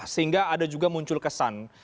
sehingga ada juga muncul kesan